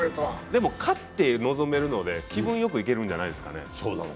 でも勝って臨めるので、気分よくいけるんじゃないですかね。